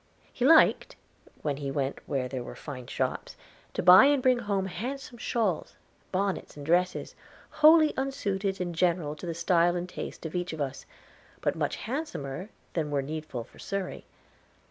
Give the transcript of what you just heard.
He liked, when he went where there were fine shops, to buy and bring home handsome shawls, bonnets, and dresses, wholly unsuited in general to the style and taste of each of us, but much handsomer than were needful for Surrey.